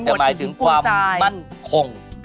แต่หมายถึงความมั่นคง